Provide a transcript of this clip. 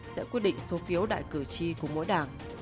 sẽ quyết định số phiếu đại cử tri của mỗi đảng